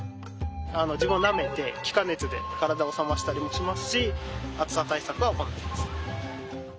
自分をなめて気化熱で体を冷ましたりもしますし暑さ対策は行ってます。